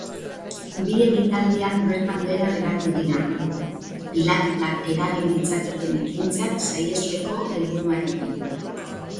Bi ekitaldiak bertan behera geratu dira, pilaketak eragin ditzaketen ekintzak saihesteko helburuarekin.